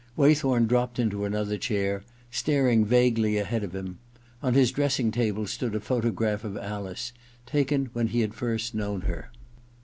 Waythorn dropped into another chair, staring vaguely ahead of him. On his dressing table stood a photograph of Alice, taken when he had first known her.